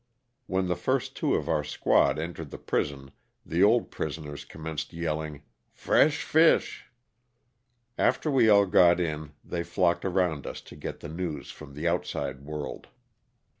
When the first two of our squad entered the prison the old prisoners commenced yelling, "fresh fish." After we LOSS OF TTFE SULTANA. 87 all got in they flocked around us to get the news from the outside world.